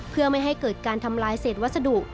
เพื่อไม่ให้เกิดการทำลายเศษวัสดุ